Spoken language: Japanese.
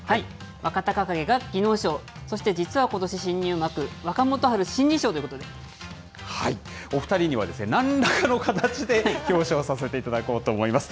若隆景が技能賞、そして実はことし新入幕、若元春、新人賞とお２人にはなんらかの形で表彰させていただこうと思います。